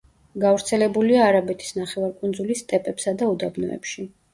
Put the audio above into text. გავრცელებულია არაბეთის ნახევარკუნძულის სტეპებსა და უდაბნოებში.